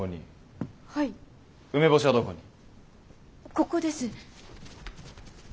ここです。